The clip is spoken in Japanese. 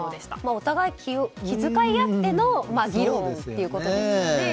お互い気遣い合っての議論ということですよね。